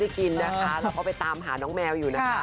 กินนะคะเราก็ไปตามหาน้องแมวอยู่นะคะ